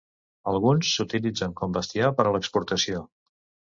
Alguns s'utilitzen com bestiar per a l'exportació.